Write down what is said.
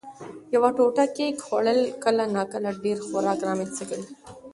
یوه ټوټه کېک خوړل کله ناکله ډېر خوراک رامنځ ته کوي.